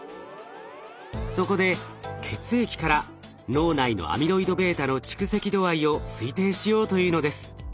そこで血液から脳内のアミロイドβの蓄積度合いを推定しようというのです。